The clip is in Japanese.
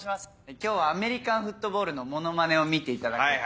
今日はアメリカンフットボールのモノマネを見ていただこうと。